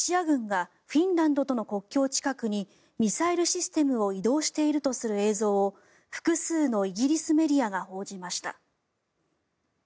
１１日、ロシア軍がフィンランドとの国境近くにミサイルシステムを移動しているとする映像を複数のイギリスメディアが報じました。